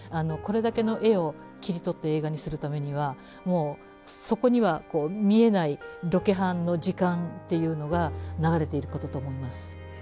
これだけの画を切り取って映画にするためにはもうそこには見えないロケハンの時間っていうのが流れていることと思います。